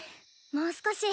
もう少し。